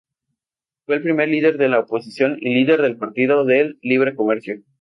Fue el primer líder de la oposición y líder del Partido del Libre Comercio.